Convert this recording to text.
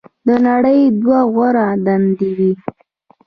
"د نړۍ دوه غوره دندې وې.